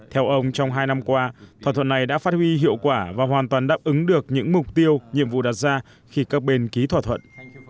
theo ông trong hai năm qua thỏa thuận này đã phát huy hiệu quả và hoàn toàn đáp ứng được những mục tiêu nhiệm vụ đặt ra khi các bên ký thỏa thuận